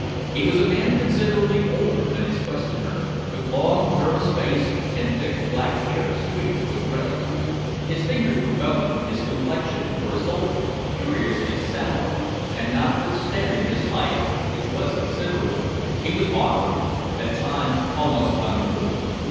He was a man considerably older than his questioner, with long, nervous face, and thick black hair streaked with grey. His fingers were bony, his complexion, for a soldier, curiously sallow, and notwithstanding his height, which was considerable, he was awkward, at times almost uncouth.